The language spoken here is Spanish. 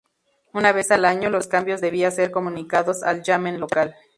Una vez al año, los cambios debía ser comunicados al "yamen" local.